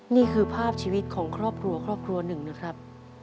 นี่คือภาพชีวิตของครอบครัวครอบครัวหนึ่งนะครับ